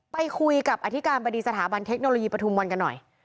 ไปคุยกับอธิการบดีสถาบันเทคโนโลยีปฐุมวันกันหน่อย